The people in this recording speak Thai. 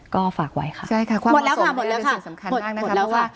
ความเหมาะสมเป็นสิ่งสำคัญมากนะคะ